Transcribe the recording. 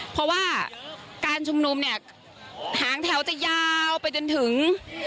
เพราะว่าการชุมนุมเนี่ยหางแถวจะยาวไปจนถึง